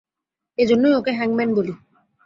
এজন্যই ওকে হ্যাংম্যান বলি।